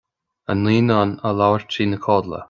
An naíonán a labhair trína chodladh